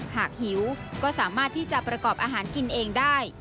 หิวก็สามารถที่จะประกอบอาหารกินเองได้